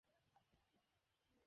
মানুষ বিপদে পড়েছে।